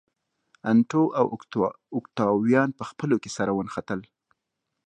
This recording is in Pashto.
انتو او اوکتاویان په خپلو کې سره ونښتل.